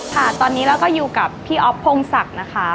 ค่ะตอนนี้เราก็อยู่กับพี่อ๊อฟพงศักดิ์นะคะ